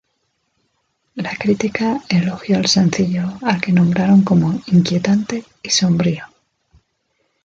La crítica elogió el sencillo al que nombraron como inquietante y sombrío.